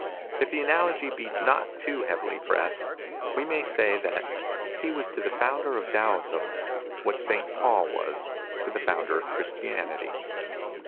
If the analogy be not too heavily pressed, we may say that he was to the Founder of Taoism what St. Paul was to the Founder of Christianity.